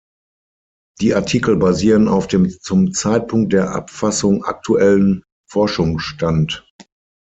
Die Artikel basieren auf dem zum Zeitpunkt der Abfassung aktuellen Forschungsstand.